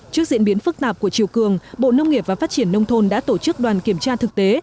trước diễn biến phức tạp của chiều cường bộ nông nghiệp và phát triển nông thôn đã tổ chức đoàn kiểm tra thực tế